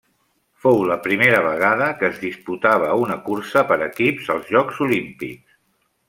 Fou la primera vegada que es disputava una cursa per equips als Jocs Olímpics.